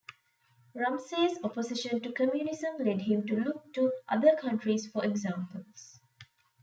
Ramsay's opposition to communism led him to look to other countries for examples.